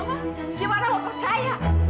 bagaimana kamu percaya